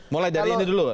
mulai dari ini dulu